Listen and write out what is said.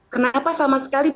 kenapa sama sekali